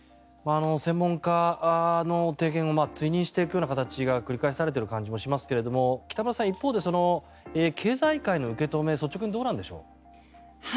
専門家の提言を追認していくような形が繰り返されている感じもしますが北村さん一方で経済界の受け止め率直にどうなんでしょうか？